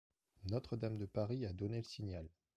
Notre-Dame de Paris a donné le signal